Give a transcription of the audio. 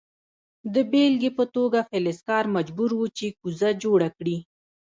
د بیلګې په توګه فلزکار مجبور و چې کوزه جوړه کړي.